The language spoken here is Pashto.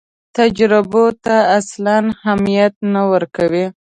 تجربو ته اصلاً اهمیت نه ورکوي.